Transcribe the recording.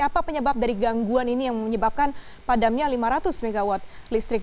apa penyebab dari gangguan ini yang menyebabkan padamnya lima ratus mw listrik